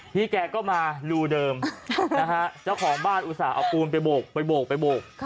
พี่แกก็มารูเดิมนะฮะเจ้าของบ้านอุตส่าห์เอาปูนไปโบก